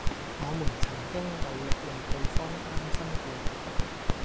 我們曾經努力為對方擔心過